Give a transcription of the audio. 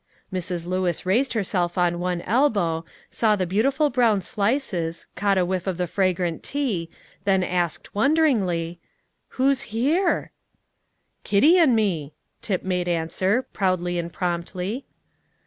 Mrs. Lewis raised herself on one elbow, saw the beautiful brown slices, caught a whiff of the fragrant tea, then asked wonderingly, "Who's here?" "Kitty and me," Tip made answer, proudly and promptly.